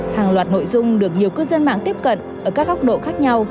hàng loạt nội dung được nhiều cư dân mạng tiếp cận ở các góc độ khác nhau